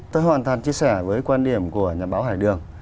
tôi hoàn toàn chia sẻ với quan điểm của nhà báo hải đường